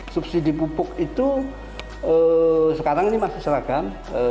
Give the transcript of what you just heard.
subsidi pupuk itu sekarang ini masih seragam